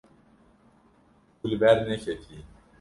Tu li ber neketiyî.